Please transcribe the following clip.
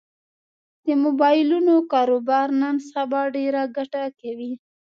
د مبایلونو کاروبار نن سبا ډېره ګټه کوي